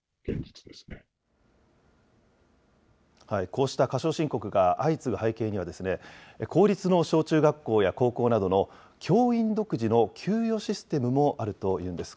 こうした過少申告が相次ぐ背景には、公立の小中学校や高校などの教員独自の給与システムもあるというんです。